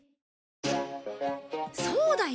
そうだよ！